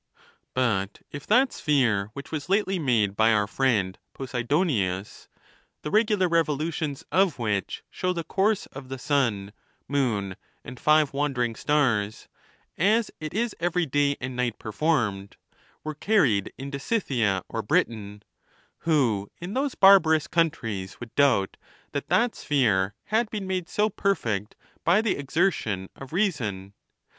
But if that sphere which was lately made by our friend Posidonius, the regular revolutions of which show the course of the sun, moon, and five wandering stars, as it is every day and night performed, were carried into Scythia or Britain, who, in those barbarous countries, would doubt that that sphere had been made so perfect by the exertion of reason